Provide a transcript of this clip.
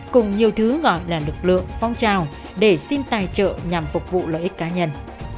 cùng nhiều thứ gọi là lực lượng phong trào để xin tài trợ nhằm phục vụ lợi ích cá nhân